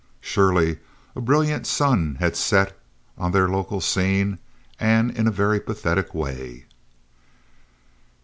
Surely a brilliant sun had set on their local scene, and in a very pathetic way.